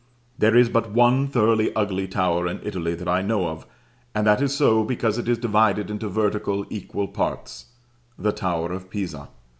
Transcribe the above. There is but one thoroughly ugly tower in Italy that I know of, and that is so because it is divided into vertical equal parts: the tower of Pisa.